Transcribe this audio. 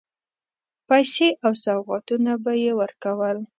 پیسې او سوغاتونه به یې ورکول.